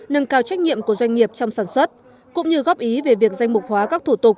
nâng cao trách nhiệm của doanh nghiệp trong sản xuất cũng như góp ý về việc danh mục hóa các thủ tục